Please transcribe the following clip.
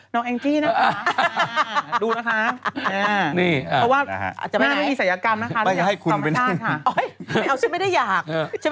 น้องแองจี้นะคะ